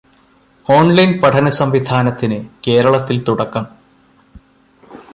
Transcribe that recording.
Online പഠനസംവിധാനത്തിന് കേരളത്തില് തുടക്കം.